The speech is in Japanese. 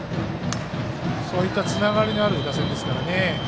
そういったつながりのある打線ですからね。